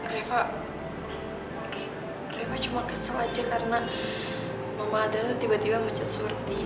reva reva cuma kesel aja karena mama adriana tuh tiba tiba memecat surti